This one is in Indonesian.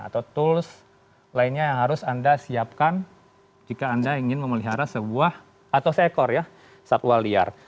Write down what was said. atau tools lainnya yang harus anda siapkan jika anda ingin memelihara sebuah atau seekor satwa liar